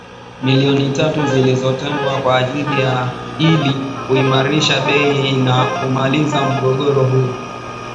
milioni tatu zilizotengwa kwa ajili ya ili kuimarisha bei na kumaliza mgogoro huo